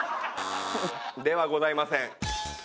ではございません。